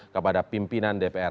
kepada pimpinan dpr